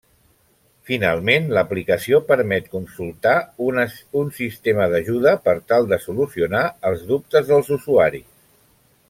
Finalment, l'aplicació permet consultar un sistema d'ajuda per tal de solucionar els dubtes dels usuaris.